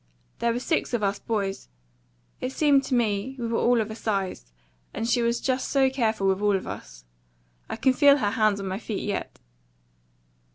There were six of us boys; it seems to me we were all of a size; and she was just so careful with all of us. I can feel her hands on my feet yet!"